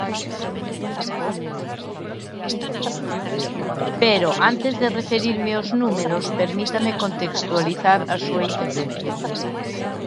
Pero, antes de referirme aos números, permítame contextualizar a súa intervención.